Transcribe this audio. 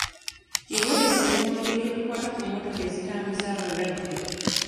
Yayolesa ebiwandiiko ebikwata ku mmotoka ezitambuza abalwadde.